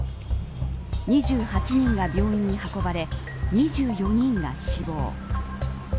２８人が病院に運ばれ２４人が死亡。